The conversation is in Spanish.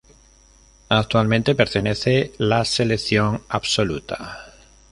Actualmente pertenece la Selección Absoluta.